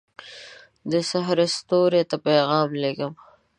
دسحرستوري ته پیغام لېږم